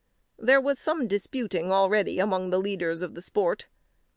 There was some disputing already among the leaders of the sport.